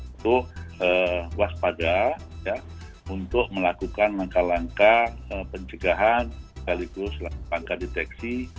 untuk waspada untuk melakukan langkah langkah pencegahan sekaligus langkah deteksi